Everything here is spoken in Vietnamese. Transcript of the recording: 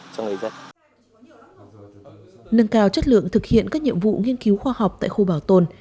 nâng cao chất lượng thực hiện các nhiệm vụ nghiên cứu khoa học tại khu bảo tồn